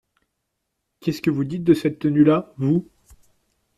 Qu’est-ce que vous dites de cette tenue-là, vous ?